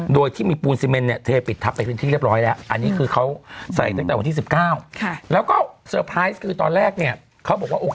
โดยที่มีปูนซีเมนเนี่ยปิดทับที่เรียบร้อยแล้ว